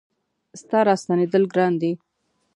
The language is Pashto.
ستا را ستنېدل ګران دي